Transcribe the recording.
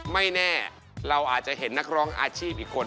ไม่แน่เราอาจจะเห็นนักร้องอาชีพอีกคน